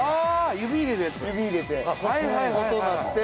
指入れて音鳴って。